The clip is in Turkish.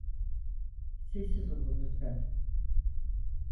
Sessiz olun lütfen!